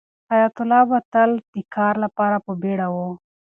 حیات الله به تل د کار لپاره په بیړه و.